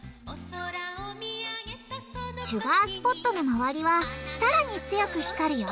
シュガースポットのまわりはさらに強く光るよ。